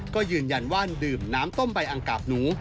ก็ยืนยันว่าดื่มน้ำต้มใบอังกาบหนู